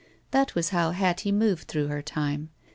That was how Hattie moved through her time.